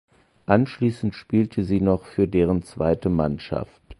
Anschließend spielte sie noch für deren zweite Mannschaft.